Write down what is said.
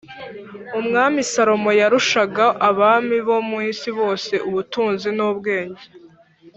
Umwami Salomo yarushaga abami bo mu isi bose ubutunzi n’ubwenge